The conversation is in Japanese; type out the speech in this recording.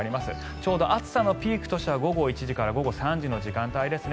ちょうど暑さのピークとしては午後１時から午後３時の時間帯ですね。